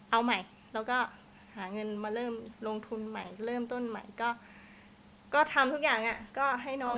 เอาใหม่แล้วก็หาเงินมาเริ่มลงทุนใหม่เริ่มต้นใหม่ก็ทำทุกอย่างก็ให้น้อง